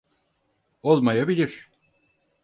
Olmayabilir.